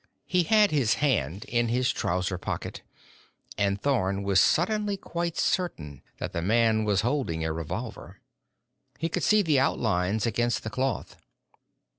He had his hand in his trouser pocket, and Thorn was suddenly quite certain that the man was holding a revolver. He could see the outlines against the cloth.